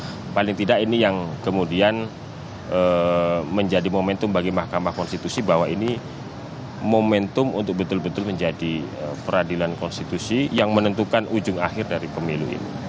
nah paling tidak ini yang kemudian menjadi momentum bagi mahkamah konstitusi bahwa ini momentum untuk betul betul menjadi peradilan konstitusi yang menentukan ujung akhir dari pemilu ini